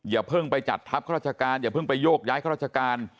อย่าเพิ่งไปจัดทัพข้าราชการอย่าเพิ่งไปโยกย้ายข้าราชการ